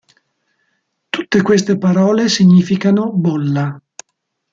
Tutte queste parole significano "bolla".